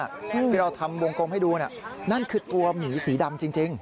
ที่เราทำวงกลมให้ดูนั่นคือตัวหมีสีดำจริง